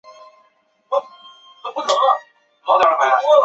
杨氏有弟弟杨圣敦及一子两女及一侄。